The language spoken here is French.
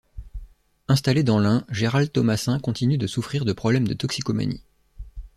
Installé dans l'Ain, Gérald Thomassin continue de souffrir de problèmes de toxicomanie.